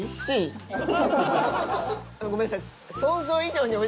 ごめんなさい。